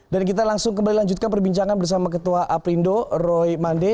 dan kita langsung kembali lanjutkan perbincangan bersama ketua aprindo roy mande